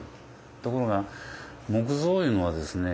ところが木造いうのはですね